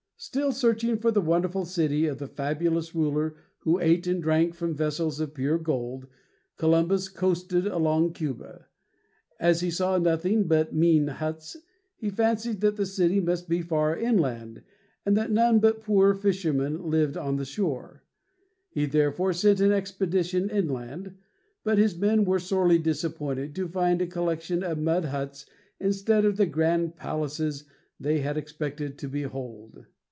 Still searching for the wonderful city of the fabulous ruler who ate and drank from vessels of pure gold, Columbus coasted along Cuba. As he saw nothing but mean huts, he fancied that the city must be far inland, and that none but poor fishermen lived on the shore. He therefore sent an expedition inland; but his men were sorely disappointed to find a collection of mud huts instead of the grand palaces they had expected to behold.